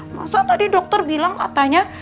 masa tadi dokter bilang katanya